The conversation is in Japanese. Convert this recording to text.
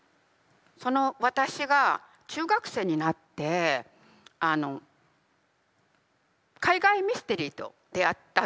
その私が中学生になって海外ミステリーと出会ったんですよ。